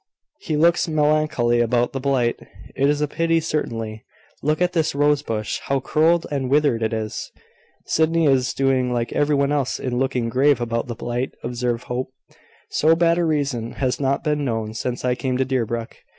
He looks melancholy about the blight. It is a pity certainly. Look at this rose bush, how curled and withered it is!" "Sydney is doing like every one else in looking grave about the blight," observed Hope. "So bad a season has not been known since I came to Deerbrook.